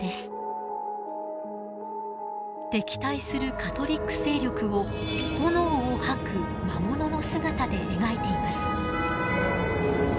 敵対するカトリック勢力を炎を吐く魔物の姿で描いています。